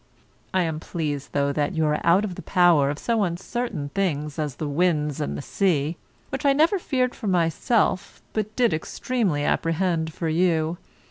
I am pleased, though, that you are out of the power of so uncertain things as the winds and the sea, which I never feared for myself, but did extremely apprehend for you.